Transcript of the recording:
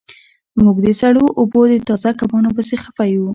موږ د سړو اوبو د تازه کبانو پسې خفه یو